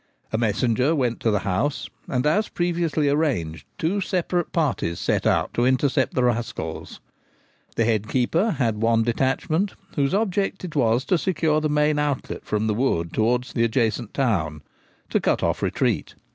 A messenger went to the house, and, as previously arranged, two separate parties set out to intercept the rascals. The head keeper had one detachment, whose object it was to secure the main outlet from the wood towards the adjacent town — to cut off retreat.